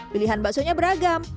pilihan baksonya beragam